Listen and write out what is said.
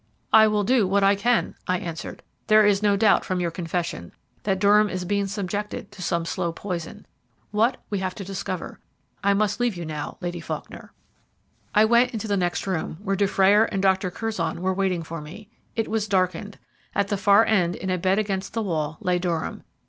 "I will do what I can," I answered. "There is no doubt, from your confession, that Durham is being subjected to some slow poison. What, we have to discover. I must leave you now, Lady Faulkner." I went into the next room, where Dufrayer and Dr. Curzon were waiting for me. It was darkened. At the further end, in a bed against the wall, lay Durham.